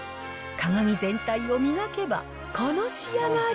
鏡全体を磨けば、この仕上がり。